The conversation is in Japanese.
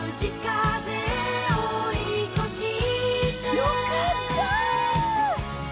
よかった！